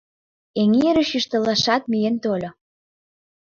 Эҥерыш йӱштылашат миен тольо.